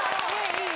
いい